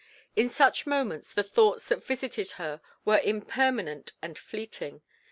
In such moments the thoughts that visited her were impermanent and fleeting.